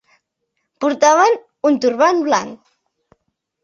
Portaven un turbant blanc.